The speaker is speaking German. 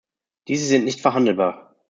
Diese sind nicht verhandelbar.